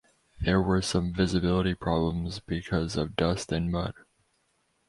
There were some visibility problems because of dust and mud.